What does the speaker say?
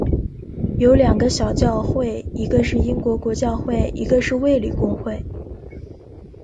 有两个小教会，一个是英国国教会，一个是卫理公会。